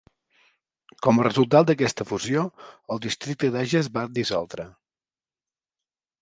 Com a resultat d"aquesta fusió, el districte d'Age es va dissoldre.